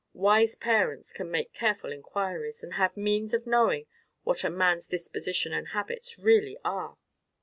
Wise parents can make careful inquiries, and have means of knowing what a man's disposition and habits really are."